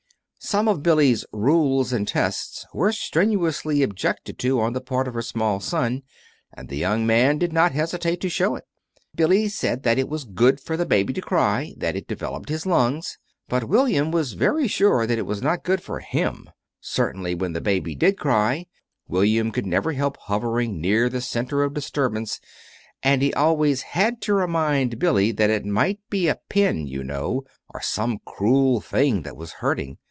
Some of Billy's Rules and Tests were strenuously objected to on the part of her small son, and the young man did not hesitate to show it. Billy said that it was good for the baby to cry, that it developed his lungs; but William was very sure that it was not good for him. Certainly, when the baby did cry, William never could help hovering near the center of disturbance, and he always had to remind Billy that it might be a pin, you know, or some cruel thing that was hurting.